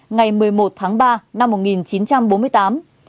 ngày một mươi một tháng ba năm một nghìn chín trăm bốn mươi tám